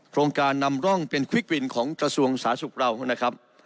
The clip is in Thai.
โครงการนำร่องเป็นควิกวินของกระทรวงสาธารณสุขเรานะครับ